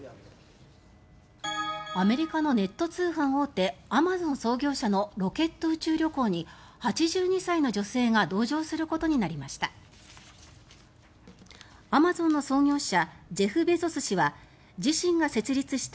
アメリカのネット通販大手アマゾン創業者のロケット宇宙旅行に８２歳の女性が同乗することになりました。